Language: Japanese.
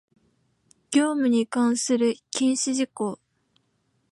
業務に関する禁止事項